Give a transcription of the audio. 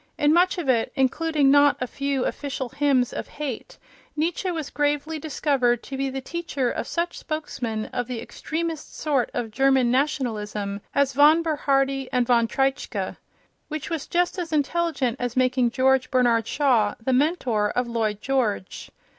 In much of it, including not a few official hymns of hate, Nietzsche was gravely discovered to be the teacher of such spokesmen of the extremest sort of German nationalism as von Bernhardi and von Treitschke—which was just as intelligent as making George Bernard Shaw the mentor of Lloyd George.